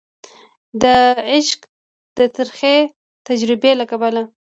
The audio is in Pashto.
د عشق د ترخې تجربي له کبله